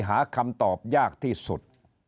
หาคำตอบยากที่สุด